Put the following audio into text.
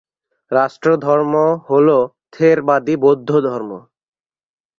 রাষ্ট্রধর্ম হল থেরবাদী বৌদ্ধধর্ম।